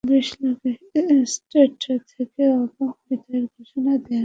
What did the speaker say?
Test থেকেও আগাম বিদায়ের ঘোষণা দেওয়া জয়াবর্ধনের শেষের শুরুও হয়ে যাচ্ছে আজ।